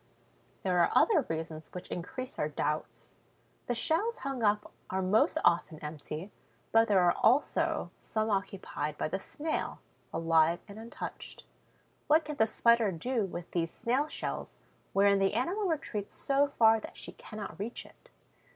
There are other reasons which increase our doubts. The shells hung up are most often empty; but there are also some occupied by the Snail, alive and untouched. What can the Spider do with these snail shells wherein the animal retreats so far that she cannot reach it?